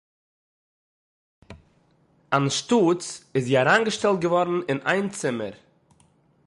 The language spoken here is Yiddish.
אַנשטאָט איז זי אַריינגעשטעלט געוואָרן אין איין צימער